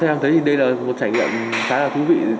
em thấy thì đây là một trải nghiệm khá là thú vị